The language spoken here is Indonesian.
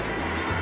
jangan makan aku